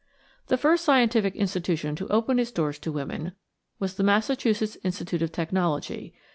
The first scientific institution to open its doors to women was the Massachusetts Institute of Technology.